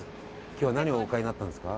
今日は何をお買いになったんですか？